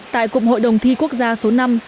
tại cục hội đồng thi quốc gia số năm